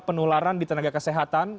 penularan di tenaga kesehatan